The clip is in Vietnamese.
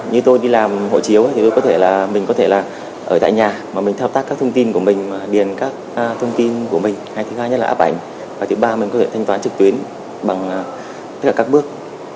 như tôi đi làm hộ chiếu thì tôi có thể là mình có thể là ở tại nhà mà mình thao tác các thông tin của mình điền các thông tin của mình hay thứ hai nhất là áp ảnh và thứ ba mình có thể thanh toán trực tuyến bằng tức là các bước